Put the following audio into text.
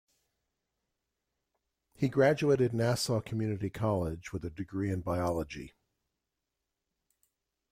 He graduated Nassau Community College with a degree in Biology.